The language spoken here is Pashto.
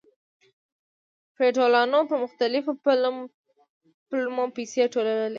فیوډالانو په مختلفو پلمو پیسې ټولولې.